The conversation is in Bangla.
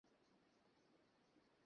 আহা, তাহাকে একবার ডাকিয়া আনো, আমি দেখি।